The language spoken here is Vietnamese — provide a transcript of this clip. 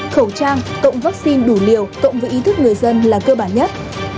khẩu trang cộng vaccine đủ liều cộng với ý thức người dân là cơ bản nhất